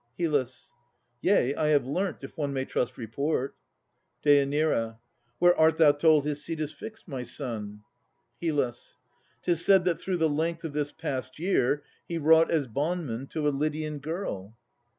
HYL. Yea, I have learnt, if one may trust report. DÊ. Where art thou told his seat is fixed, my son? HYL. 'Tis said that through the length of this past year He wrought as bondman to a Lydian girl.